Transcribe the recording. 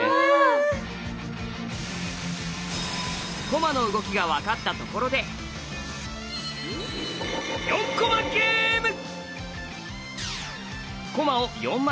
駒の動きが分かったところで４駒ゲーム！